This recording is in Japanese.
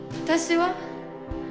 私は？